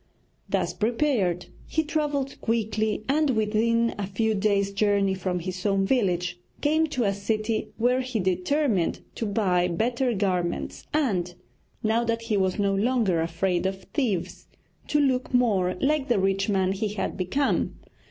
Thus prepared, he travelled quickly, and within a few days' journey from his own village came to a city where he determined to buy better garments and now that he was no longer afraid of thieves to look more like the rich man he had become.